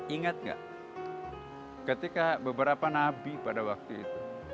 ingat nggak ketika beberapa nabi pada waktu itu